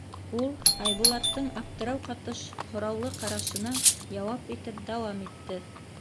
— Ул Айбулаттың аптырау ҡатыш һораулы ҡарашына яуап итеп дауам итте.